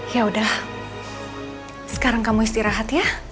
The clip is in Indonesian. yaudah sekarang kamu istirahat ya